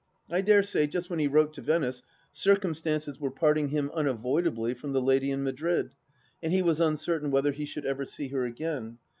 I dare say, just when he wrote to Venice, circumstances were parting him unavoidably from the lady in Madrid, and he was uncertain whether he should ever see her again.